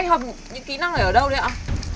anh hợp những kĩ năng này ở đâu đấy ạ